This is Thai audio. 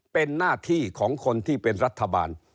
เป็นหน้าที่ของคนที่เป็นรัฐบาล